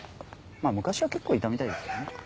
まあ昔は結構いたみたいですけどね。